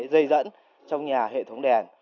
dây dẫn trong nhà hệ thống đèn